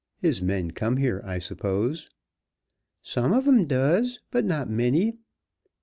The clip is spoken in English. His men come here, I suppose." "Some ob 'em does, but not many.